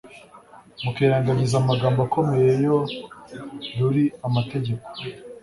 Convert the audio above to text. mukirengagiza amagambo akomeye yo ruri mategeko,